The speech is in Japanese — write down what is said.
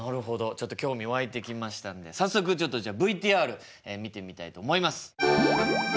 ちょっと興味湧いてきましたんで早速ちょっとじゃあＶＴＲ見てみたいと思います。